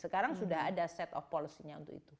sekarang sudah ada set of policy nya untuk itu